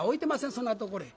そんなところへ。